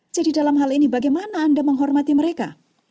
jadi dalam hal ini bagaimana anda menghormati mereka